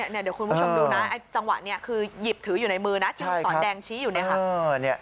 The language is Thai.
เดี๋ยวคุณผู้ชมดูนะจังหวะนี้คือหยิบถืออยู่ในมือนะที่ลูกศรแดงชี้อยู่เนี่ยค่ะ